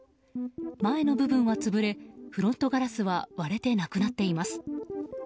前の部分は潰れフロントガラスは割れてなくなっています。